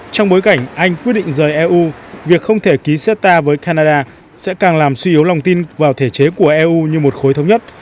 trong bối cảnh anh quyết định rời eu việc không thể ký xét ta với canada sẽ càng làm suy yếu lòng tin vào thể chế của eu như một khối thống nhất